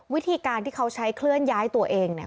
วิธีการที่เขาใช้เคลื่อนย้ายตัวเองเนี่ย